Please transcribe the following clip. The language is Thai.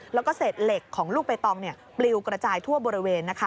แล้วก็เศษเหล็กของลูกใบตองปลิวกระจายทั่วบริเวณ